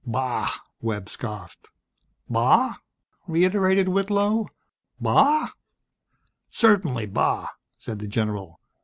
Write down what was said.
"Bah!" Webb scoffed. "Bah?" reiterated Whitlow. "Bah?" "Certainly bah!" said the general.